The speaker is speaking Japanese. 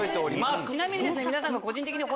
ちなみにですね